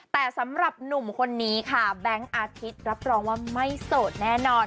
แต่สำหรับหนุ่มคนนี้ค่ะแบงค์อาทิตย์รับรองว่าไม่โสดแน่นอน